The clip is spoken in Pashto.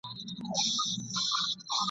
نه به کاڼی پوست سي، نه به غلیم دوست سي ..